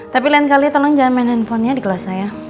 tapi lain kali tolong jangan main handphonenya di kelas saya